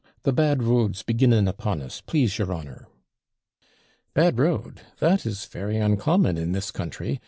The bad road's beginning upon us, please your honour.' 'Bad road! that is very uncommon in this country.